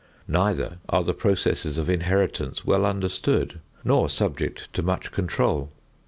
Neither are the processes of inheritance well understood nor subject to much control.